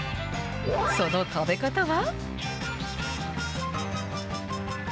その食べ方は？